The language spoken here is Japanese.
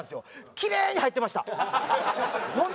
きれいに入ってましたホント。